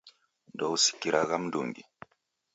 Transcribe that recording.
Ndousikiragha mndungi!